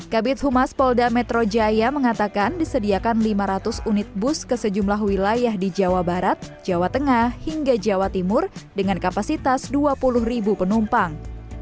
kabit humas polda metro jaya mengatakan disediakan lima ratus unit bus ke sejumlah wilayah di jawa barat jawa tengah hingga jawa timur dengan kapasitas dua puluh ribu penumpang